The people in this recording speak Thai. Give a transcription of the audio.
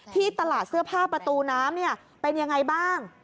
ที่ตลาดเสื้อผ้าประตูน้ำเป็นยังไงบ้าง